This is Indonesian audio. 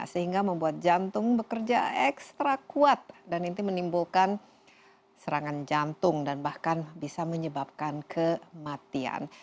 sehingga membuat jantung bekerja ekstra kuat dan ini menimbulkan serangan jantung dan bahkan bisa menyebabkan kematian